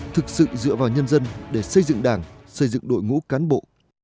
thực sự dựa vào nhân dân để xây dựng đảng xây dựng đội ngũ cán bộ